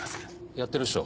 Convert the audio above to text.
やってるっしょ。